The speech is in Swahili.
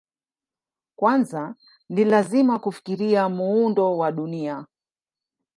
Kwanza ni lazima kufikiria muundo wa Dunia.